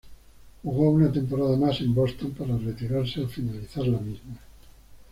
Jugó una temporada más en Boston, para retirarse al finalizar la misma.